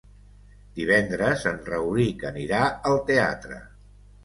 Divendres en Rauric anirà al teatre.